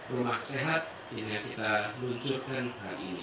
rumah sehat ini yang kita luncurkan hari ini